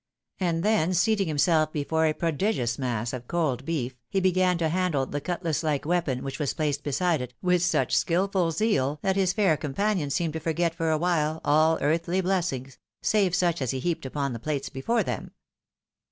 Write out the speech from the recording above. And then seating himself before a prodi gious mass of cold beef, he began to handle the cutlass like weapon which was placed beside it, with such skilful zeal, that his fair companions seemed to forget for a while all earthly blessings, save such as he heaped upon the plates before them.